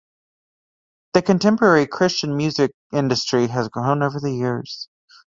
The contemporary Christian music industry has grown over the years.